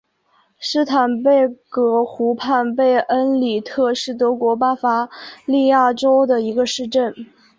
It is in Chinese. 施坦贝格湖畔贝恩里特是德国巴伐利亚州的一个市镇。